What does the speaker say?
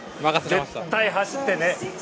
絶対走ってね。